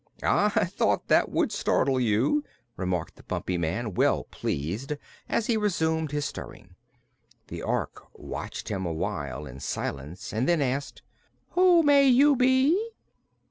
"I thought that would startle you," remarked the Bumpy Man, well pleased, as he resumed his stirring. The Ork watched him a while in silence and then asked: "Who may you be?"